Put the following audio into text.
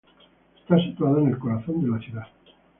Está situado en el corazón de la ciudad.